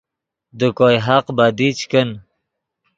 دے کوئے حق بدی چے کن